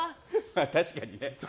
確かにね。